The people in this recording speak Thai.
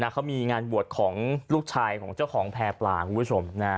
เขามีงานบวชของลูกชายของเจ้าของแพร่ปลาคุณผู้ชม